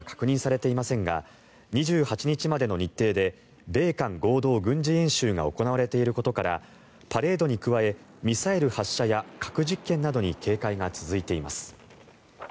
今のところパレードの実施は確認されていませんが２８日までの日程で米韓合同軍事演習が行われていることからパレードに加えミサイル発射や核実験などに警戒が続いています。